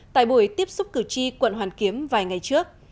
tại buổi tiếp xúc cử tri quận hoàn kiếm vài ngày trước